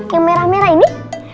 yang merah merah ini